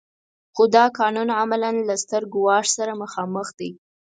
خو دا قانون عملاً له ستر ګواښ سره مخامخ دی.